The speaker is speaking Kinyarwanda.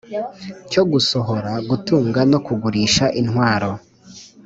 Cyo gusohora gutunga no kugurisha intwaro